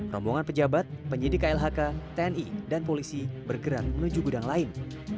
rombongan pejabat penyidik klhk tni dan polisi bergerak menuju gudang lain